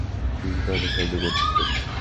তিনি তাদের সাহায্য করতেন।